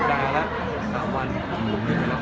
ได้คุยกันบ้างไหมครับ